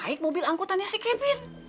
naik mobil angkutannya si kevin